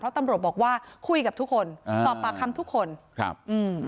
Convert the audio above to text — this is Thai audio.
ตำรวจบอกว่าคุยกับทุกคนอ่าสอบปากคำทุกคนครับอืม